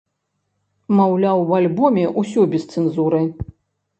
Маўляў у альбоме ўсё без цэнзуры.